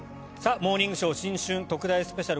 「モーニングショー新春特大スペシャル」